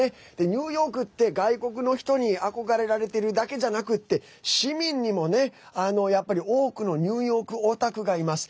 ニューヨークって、外国の人に憧れられてるだけじゃなくって市民にも多くのニューヨークオタクがいます。